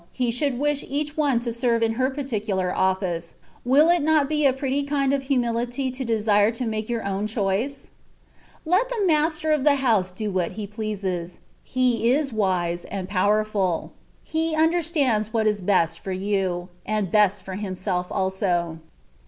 He should wish each one to serve in her particular office, will it not be a pretty kind of humihty to desire to make your own choice?* Let the master of the house do what he pleases; He is wise and powerful; He understands what is best for you, and best for himself also.